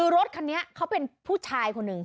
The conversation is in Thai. คือรถคันนี้เขาเป็นผู้ชายคนหนึ่ง